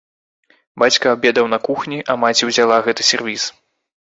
Бацька абедаў на кухні, а маці ўзяла гэты сервіз.